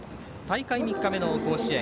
大会３日目の甲子園